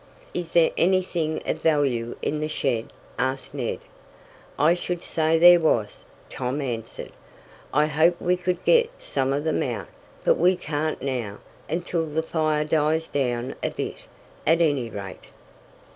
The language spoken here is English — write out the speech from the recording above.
"Is there anything of value in the shed?" asked Ned. "I should say there was!" Tom answered. "I hoped we could get some of them out, but we can't now until the fire dies down a bit, at any rate."